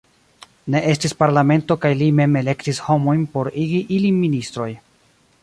Ne estis parlamento kaj li mem elektis homojn por igi ilin ministroj.